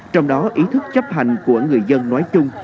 trong đó ý thức chấp hành của người dân nói chung